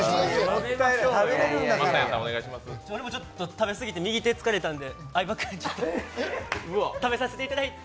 食べ過ぎて右手疲れたんで相葉君、ちょっと食べさせていただいて。